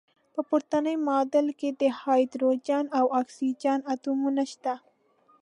په پورتني معادله کې د هایدروجن او اکسیجن اتومونه شته.